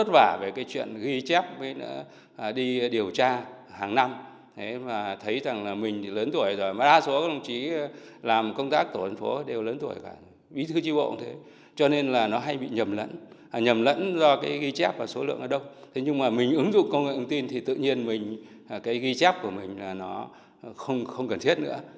thế nhưng mà mình ứng dụng công nghệ ứng tin thì tự nhiên cái ghi chép của mình là nó không cần thiết nữa